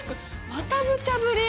またむちゃぶり！